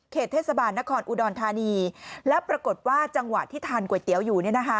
เทศบาลนครอุดรธานีแล้วปรากฏว่าจังหวะที่ทานก๋วยเตี๋ยวอยู่